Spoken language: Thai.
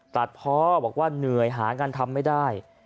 ตัดพ่อบอกว่าเหนื่อยหางานทำไม่ได้